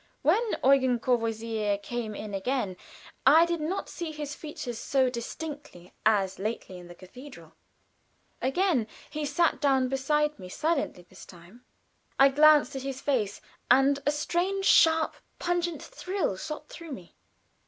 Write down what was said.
When "Eugen Courvoisier" came in again, I did not see his features so distinctly as lately in the cathedral. Again he sat down beside me, silently this time. I glanced at his face, and a strange, sharp, pungent thrill shot through me.